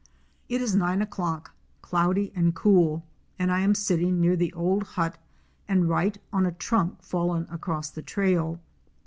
It is nine o'clock, cloudy and cool, and I am sitting near the old hut and write on a trunk fallen across the trail.